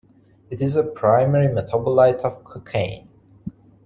It is a primary metabolite of cocaine.